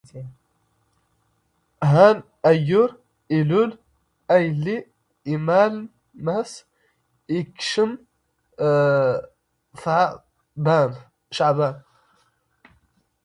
ⵀⴰ ⵏⵏ ⴰⵢⵢⵓⵔ ⵉⵍⵓⵍ, ⴰⵢⵍⵍⵉ ⵉⵎⵎⴰⵍⵏ ⵎⴰⵙ ⵉⴽⵛⵎ ⵛⵄⴱⴰⵏ.